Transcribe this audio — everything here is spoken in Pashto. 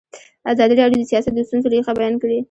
ازادي راډیو د سیاست د ستونزو رېښه بیان کړې.